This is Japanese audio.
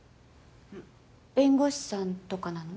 弁護士さんとかなの？